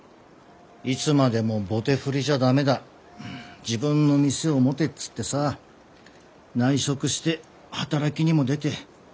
「いつまでも棒手振じゃ駄目だ自分の店を持て」っつってさ内職して働きにも出て。